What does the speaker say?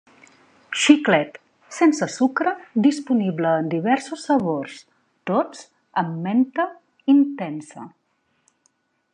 Xiclet sense sucre disponible en diversos sabors, tots amb menta "intensa".